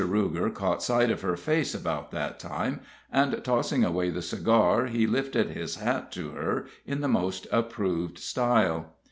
Ruger caught sight of her face about that time, and tossing away the cigar, he lifted his hat to her in the most approved style.